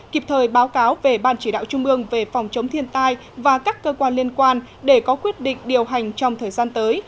kịp thời báo cáo về ban chỉ đạo trung ương về phòng chống thiên tai và các cơ quan liên quan để có quyết định điều hành trong thời gian tới